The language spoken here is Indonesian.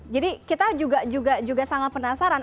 jadi kita juga sangat penasaran